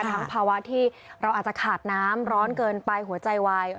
ภาวะที่เราอาจจะขาดน้ำร้อนเกินไปหัวใจวาย